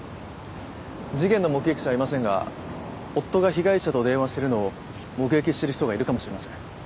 事件の目撃者はいませんが夫が被害者と電話してるのを目撃してる人がいるかもしれません。